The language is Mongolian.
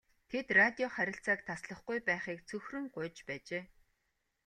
Тэд радио харилцааг таслахгүй байхыг цөхрөн гуйж байжээ.